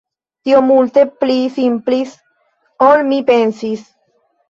Tio multe pli simplis ol mi pensis.